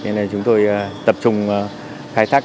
nên chúng tôi tập trung khai thác